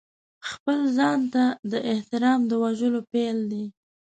خپل ځان ته د احترام د وژلو پیل دی.